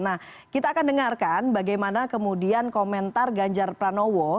nah kita akan dengarkan bagaimana kemudian komentar ganjar pranowo